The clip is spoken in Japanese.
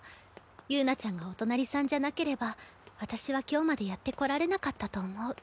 友奈ちゃんがお隣さんじゃなければ私は今日までやってこられなかったと思う。